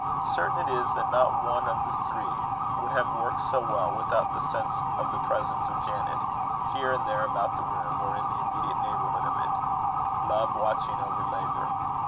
Certain it is that not one of the three would have worked so well without the sense of the presence of Janet, here and there about the room, or in the immediate neighbourhood of it love watching over labour.